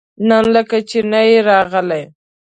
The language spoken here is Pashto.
نن لکه چې نه يې راغلی؟